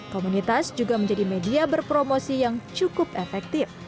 komunitas juga menjadi media berpromosi yang cukup efektif